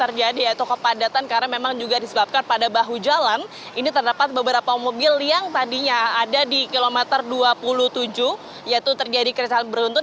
terjadi yaitu kepadatan karena memang juga disebabkan pada bahu jalan ini terdapat beberapa mobil yang tadinya ada di kilometer dua puluh tujuh yaitu terjadi keresahan beruntun